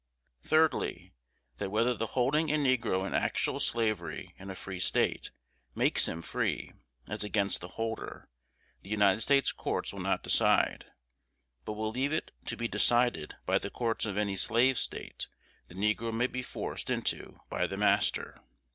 Thirdly, That whether the holding a negro in actual slavery in a Free State makes him free, as against the holder, the United States courts will not decide, but will leave it to be decided by the courts of any Slave State the negro may be forced into by the master.